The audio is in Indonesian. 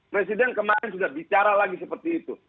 presiden kemarin sudah bicara lagi seperti itu